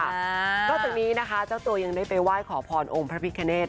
ก็จากนี้เจ้าตัวยังได้ไปว่ายขอพรอมพระภิกาเนต